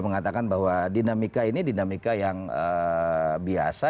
mengatakan bahwa dinamika ini dinamika yang biasa